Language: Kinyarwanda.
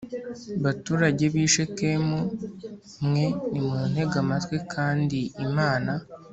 baturage b i Shekemu mwe nimuntege amatwi kandi Imana